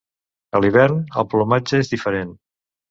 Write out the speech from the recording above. A l'hivern, el plomatge és diferent.